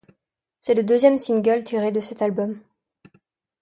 C'est le deuxième single tiré de cet album.